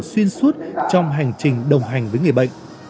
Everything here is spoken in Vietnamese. xuyên suốt trong hành trình đồng hành với người bệnh